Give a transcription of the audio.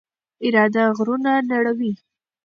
اراده غرونه نړوي.